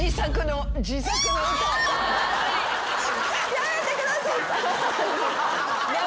やめてください！